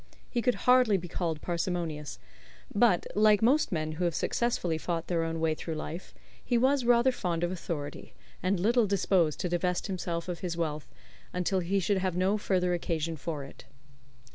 He could hardly be called parsimonious, but, like most men who have successfully fought their own way through life, he was rather fond of authority, and little disposed to divest himself of his wealth until he should have no further occasion for it.